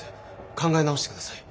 考え直して下さい。